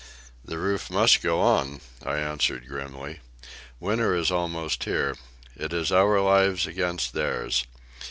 "That roof must go on," I answered grimly. "Winter is almost here. It is our lives against theirs.